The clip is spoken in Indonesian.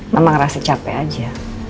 mama ngerasa capek aja